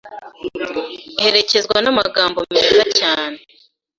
iherekezwa n’amagambo meza cyane